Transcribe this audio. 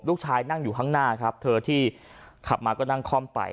นั่งอยู่ข้างหน้าครับเธอที่ขับมาก็นั่งคล่อมไป